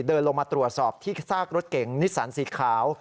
เดินลงมาตรวจสอบที่ซากรถเก๋งนิสสันสีขาว